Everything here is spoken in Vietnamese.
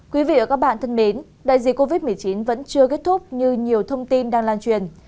quý vị và các bạn thân mến đại dịch covid một mươi chín vẫn chưa kết thúc như nhiều thông tin đang lan truyền